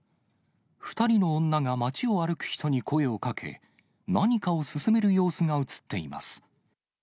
２人の女が街を歩く人に声をかけ、何かを勧める様子が写っています。